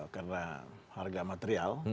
karena harga material